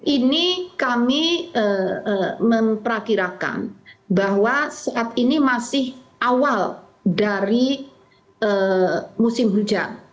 ini kami memperkirakan bahwa saat ini masih awal dari musim hujan